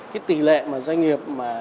cái tỷ lệ doanh nghiệp mà